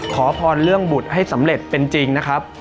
ขอพรเรื่องบุตรให้สำเร็จเป็นจริงนะครับ